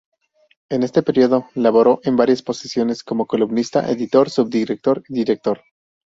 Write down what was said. En este periódico laboró en varias posiciones como columnista, editor, sub-director y director.